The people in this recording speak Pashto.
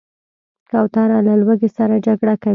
کوتره له لوږې سره جګړه کوي.